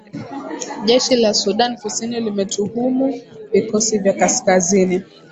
jeshi la sudan kusini limetuhumu vikosi vya kaskazini